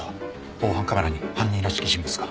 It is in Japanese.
防犯カメラに犯人らしき人物が。